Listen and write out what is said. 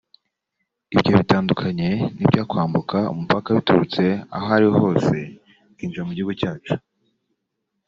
Ibyo bitandukanye n’ibyakwambuka umupaka biturutse aho ariho hose bikinjira mu gihugu cyacu